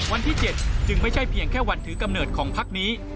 วันที่๗จึงไม่ใช่เพียงแค่วันถือกำเนิดของพักนี้